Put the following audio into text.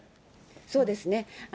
そうですね。